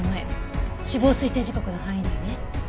死亡推定時刻の範囲内ね。